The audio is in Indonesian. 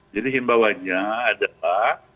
jadi imbauannya adalah